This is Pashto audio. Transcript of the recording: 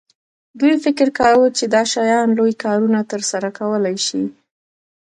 دوی فکر کاوه چې دا شیان لوی کارونه ترسره کولی شي